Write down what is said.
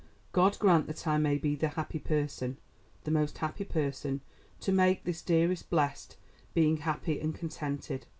"God grant that I may be the happy person, the most happy person, to make this dearest, blessed being happy and contented!